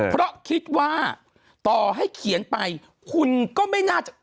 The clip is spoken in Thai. เพราะคิดว่าต่อให้เขียนไปคุณก็ไม่น่าจะ